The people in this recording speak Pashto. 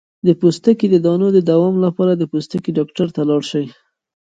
د پوستکي د دانو د دوام لپاره د پوستکي ډاکټر ته لاړ شئ